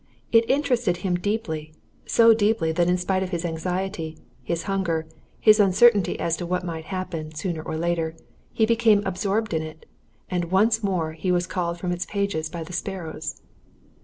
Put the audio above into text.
It interested him deeply so deeply that in spite of his anxiety, his hunger, his uncertainty as to what might happen, sooner or later, he became absorbed in it. And once more he was called from its pages by the sparrows.